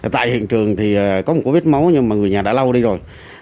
tại hiện trường thì có một cú vết máu nhưng mà người nhà đã lau đi rồi